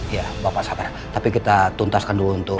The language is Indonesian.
ya bapak sabar tapi kita tuntaskan dulu untuk